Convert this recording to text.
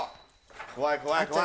怖い怖い怖い怖い！